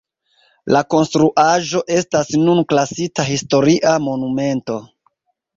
La konstruaĵo estas nun klasita Historia Monumento.